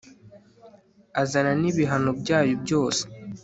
azana nibihano byayo byose…